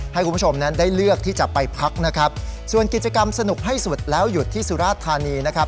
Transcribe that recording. ให้คุณผู้ชมนั้นได้เลือกที่จะไปพักนะครับส่วนกิจกรรมสนุกให้สุดแล้วหยุดที่สุราธานีนะครับ